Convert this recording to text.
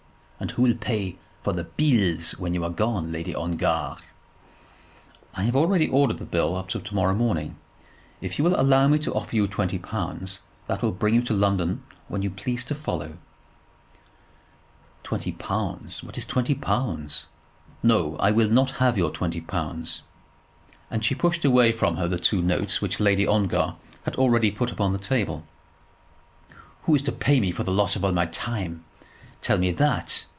And who will pay for the 'beels' when you are gone, Lady Ongar?" "I have already ordered the bill up to morrow morning. If you will allow me to offer you twenty pounds, that will bring you to London when you please to follow." "Twenty pounds! What is twenty pounds? No; I will not have your twenty pounds." And she pushed away from her the two notes which Lady Ongar had already put upon the table. "Who is to pay me for the loss of all my time? Tell me that.